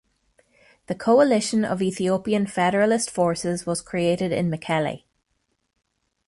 The Coalition of Ethiopian Federalist Forces was created in Mekelle.